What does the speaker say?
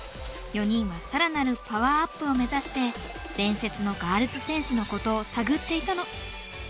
４人は更なるパワーアップを目指して伝説のガールズ×戦士のことを探っていたの。